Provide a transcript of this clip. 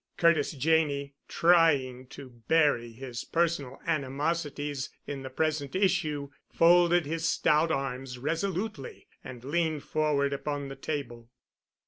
Curtis Janney, trying to bury his personal animosities in the present issue, folded his stout arms resolutely and leaned forward upon the table.